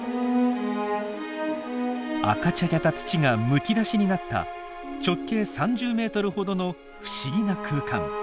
赤茶けた土がむき出しになった直径３０ｍほどの不思議な空間。